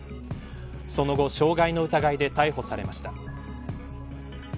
その後傷害の疑いで逮捕されました。